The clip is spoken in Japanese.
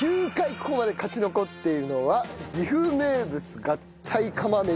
ここまで勝ち残っているのは岐阜名物合体釜飯。